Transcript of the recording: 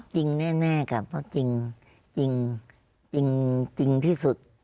จริงแน่ค่ะเพราะจริงที่สุด